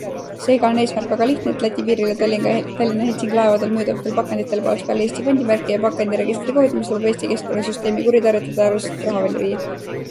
Seega on eesmärk väga lihtne - et Läti piiril ja Tallinna-Helsingi laevadel müüdavatel pakenditel poleks peal Eesti pandimärki ja pakendiregistrikoodi, mis lubab Eesti keskkonnasüsteemi kuritarvitada ja alusetult raha välja viia.